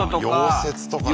溶接とかね。